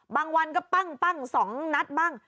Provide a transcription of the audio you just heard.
บางวันก็ปั้งปั้งสองนัดบ้าง